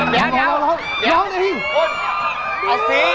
เดี๋ยวล้อน้องหน่อย